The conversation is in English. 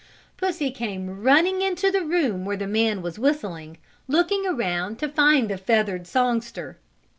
Pussy came running into the room where the man was whistling, looking around to find the feathered songster.